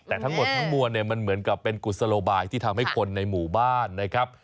แต่ทั้งหมดทั้งมวลเนี่ยมันเหมือนกับเป็นกุศโลบายที่ทำให้คนในหมู่บ้านนะครับ